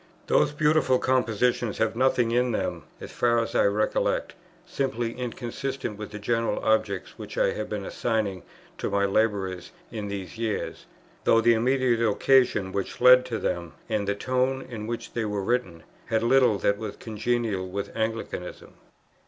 Those beautiful compositions have nothing in them, as far as I recollect, simply inconsistent with the general objects which I have been assigning to my labours in these years, though the immediate occasion which led to them, and the tone in which they were written, had little that was congenial with Anglicanism.